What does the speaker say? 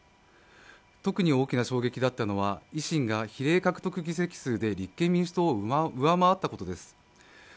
特に大きな衝撃だったのは維新が比例獲得議席数で立憲民主党はを上回ったことです